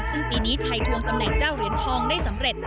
ซึ่งปีนี้ไทยทวงตำแหน่งเจ้าเหรียญทองได้สำเร็จ